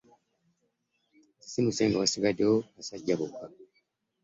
Nasisimuse nga wasigaddewo basajja bokka.